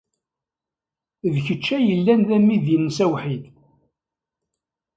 D kečč ay yellan d amidi-nnes awḥid.